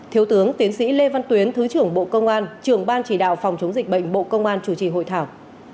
thiếu tướng tiến sĩ lê văn tuyến thứ trưởng bộ công an trưởng ban chỉ đạo phòng chống dịch bệnh bộ công an chủ trì hội thảo